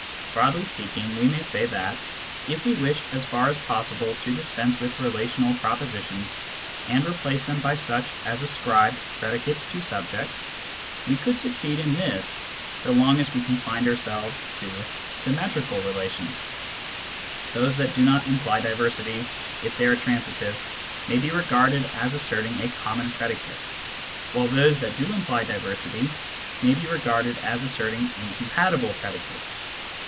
Broadly speaking, we may say that, if we wished as far as possible to dispense with relational propositions and replace them by such as ascribed predicates to subjects, we could succeed in this so long as we confined ourselves to symmetrical relations : those that do not imply diversity, if they are transitive, may be regarded as assert ing a common predicate, while those that do imply diversity may be regarded as asserting incompatible predicates.